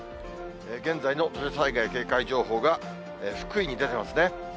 現在の土砂災害警戒情報が福井に出ていますね。